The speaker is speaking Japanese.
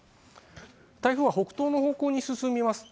台風は北東の方向に進んでいます。